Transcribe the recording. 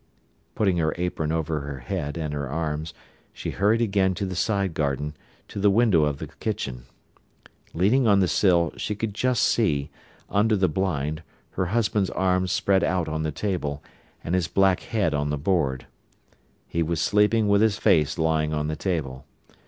Putting her apron over her head and her arms, she hurried again to the side garden, to the window of the kitchen. Leaning on the sill, she could just see, under the blind, her husband's arms spread out on the table, and his black head on the board. He was sleeping with his face lying on the table.